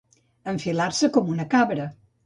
Enfilar-se com una cabra.